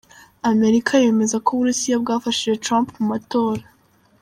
Amerika yemeza ko Uburusiya bwafashije Trump mu matora.